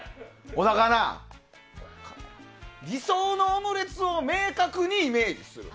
小高アナ、理想のオムレツを明確にイメージする。